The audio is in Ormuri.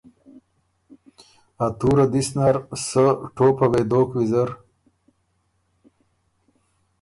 ا تُوره دِس نر سۀ ټوپه وې دوک ویزر